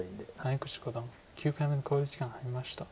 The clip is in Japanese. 谷口五段９回目の考慮時間に入りました。